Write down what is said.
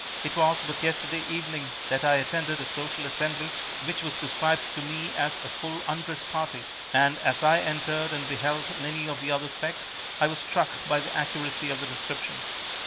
It was but yesterday evening that I attended a social assembly which was described to me as a full undress party, and as I entered and beheld many of the other sex, I was struck by the accuracy of the description.